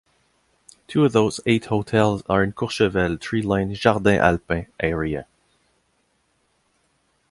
Two of those eight hotels are in Courchevel tree-lined Jardin Alpin area.